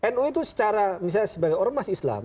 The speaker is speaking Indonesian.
nu itu secara misalnya sebagai ormas islam